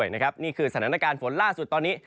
นี่คือสถานการณ์ฝนล่าสุดตอนนี้